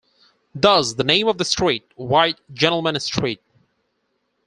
Thus the name of the street; "White gentlemen street".